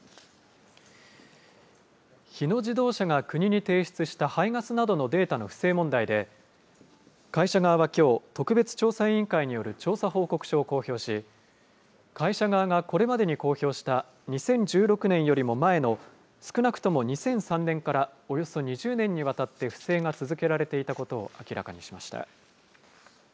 日野自動車が国に提出した排ガスなどのデータの不正問題で、会社側はきょう、特別調査委員会による調査報告書を公表し、会社側がこれまでに公表した２０１６年よりも前の、少なくとも２００３年からおよそ２０年にわたって不正が続けられていたことを明らかにしました。